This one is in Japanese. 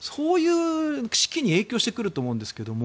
士気に影響してくると思うんですけども。